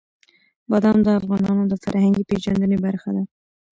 بادام د افغانانو د فرهنګي پیژندنې برخه ده.